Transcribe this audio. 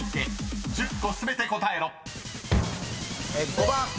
５番。